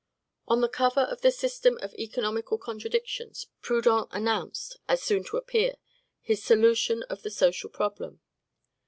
On the cover of the "System of Economical Contradictions," Proudhon announced, as soon to appear, his "Solution of the Social Problem."